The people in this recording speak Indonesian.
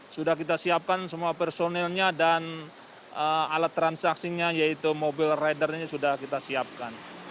sudah kita siapkan semua personilnya dan alat transaksinya yaitu mobil ridernya sudah kita siapkan